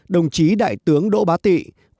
hai mươi năm đồng chí đại tướng đỗ bá tị